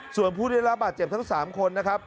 ส่วนผู้ได้รับบาดเจ็บทั้ง๓คนนะครับ